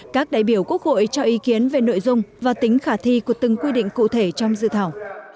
các đại biểu quốc hội cho ý kiến về nội dung và tính khả thi của từng quy định cụ thể trong dự thảo